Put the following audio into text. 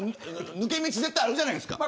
抜け道絶対あるじゃないですか。